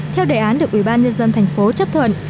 theo đề án được ủy ban nhân dân tp cn chấp thuận